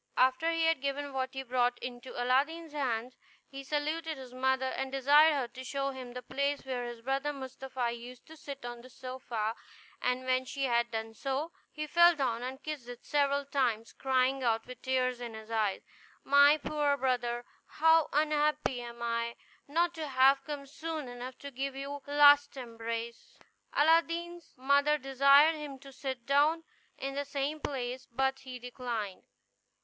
After he had given what he brought into Aladdin's hands, he saluted his mother, and desired her to show him the place where his brother Mustapha used to sit on the sofa; and when she had done so, he fell down and kissed it several times, crying out, with tears in his eyes, "My poor brother! how unhappy am I, not to have come soon enough to give you one last embrace!" Aladdin's mother desired him to sit down in the same place, but he declined.